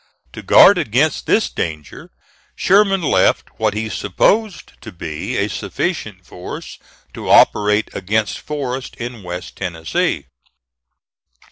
To guard against this danger, Sherman left what he supposed to be a sufficient force to operate against Forrest in West Tennessee.